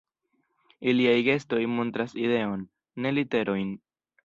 Iliaj gestoj montras ideon, ne literojn.